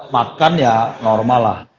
makan ya normal